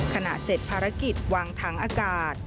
เสร็จภารกิจวางถังอากาศ